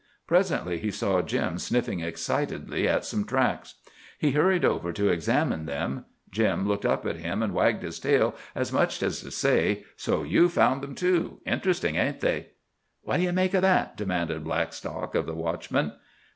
Presently he saw Jim sniffing excitedly at some tracks. He hurried over to examine them. Jim looked up at him and wagged his tail, as much as to say, "So you've found them, too! Interesting, ain't they?" "What d'ye make o' that?" demanded Blackstock of the watchman.